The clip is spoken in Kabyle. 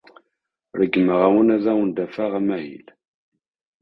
Ṛeggmeɣ-awen ad awen-d-afeɣ amahil.